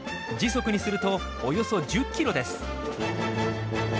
時速にするとおよそ１０ｋｍです。